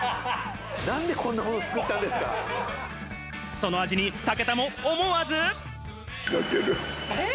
その味に武田も思わず。